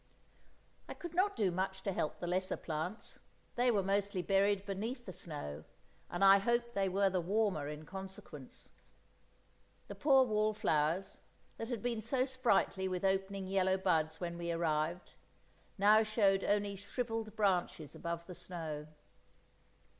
I could not do much to help the lesser plants; they were mostly buried beneath the snow, and I hoped they were the warmer in consequence. The poor wallflowers, that had been so sprightly with opening yellow buds when we arrived, now showed only shrivelled branches above the snow.